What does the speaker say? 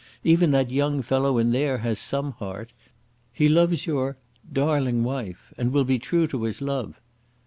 Even that young fellow in there has some heart. He loves your darling wife, and will be true to his love."